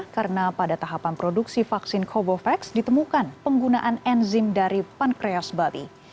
karena pada tahapan produksi vaksin covovax ditemukan penggunaan enzim dari pankreas babi